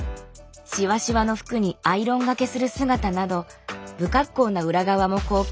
シワシワの服にアイロンがけする姿など不格好な裏側も公開。